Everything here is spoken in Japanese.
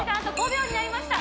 ５秒になりました。